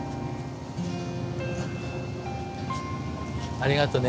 ありがとね。